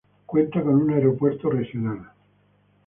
Cuenta con un aeropuerto regional.